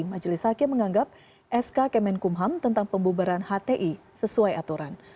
majelis hakim menganggap sk kemenkumham tentang pembubaran hti sesuai aturan